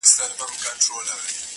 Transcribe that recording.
-پر وزرونو مي شغلې د پانوس پور پاته دي-